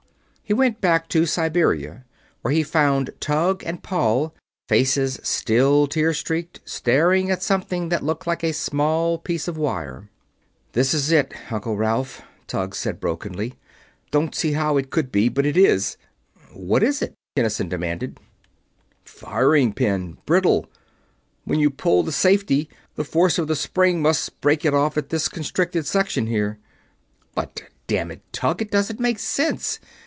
He went back to Siberia, where he found Tug and Paul, faces still tear streaked, staring at something that looked like a small piece of wire. "This is it, Uncle Ralph," Tug said, brokenly. "Don't see how it could be, but it is." "What is what?" Kinnison demanded. "Firing pin. Brittle. When you pull the safety, the force of the spring must break it off at this constricted section here." "But damn it, Tug, it doesn't make sense.